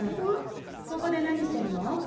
ここで何してるの？